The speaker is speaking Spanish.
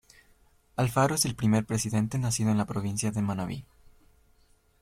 Alfaro es el primer presidente nacido en la provincia de Manabí.